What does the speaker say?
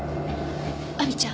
亜美ちゃん